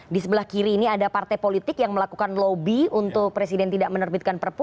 di sebelah kiri ini ada partai politik yang melakukan lobby untuk presiden tidak menerbitkan perpu